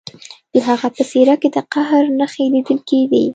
د هغه په څیره کې د قهر نښې لیدل کیدې